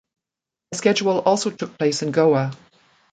A schedule also took place in Goa.